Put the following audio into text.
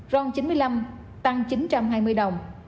ron chín mươi năm tăng chín trăm hai mươi đồng